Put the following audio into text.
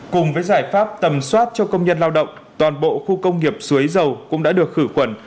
cùng với giải pháp tầm soát cho công nhân lao động toàn bộ khu công nghiệp suối dầu cũng đã được khử khuẩn